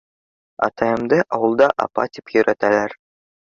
Атайымды ауылда "апа" тип йөрөттөләр.